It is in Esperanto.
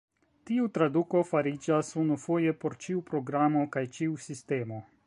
Tiu traduko fariĝas unufoje por ĉiu programo kaj ĉiu sistemo.